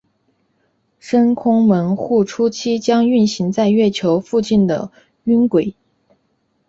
深空门户初期将运行在月球附近的晕轨道。